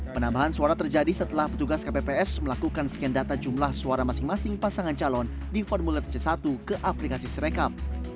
penambahan suara terjadi setelah petugas kpps melakukan scan data jumlah suara masing masing pasangan calon di formulir c satu ke aplikasi serekam